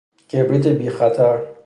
کبریت بی خطر